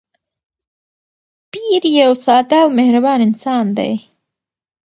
پییر یو ساده او مهربان انسان دی.